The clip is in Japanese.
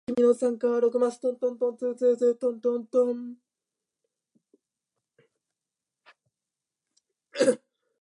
悲しかった